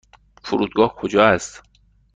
فرودگاه کجا است؟